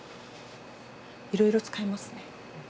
いろいろ使えますね。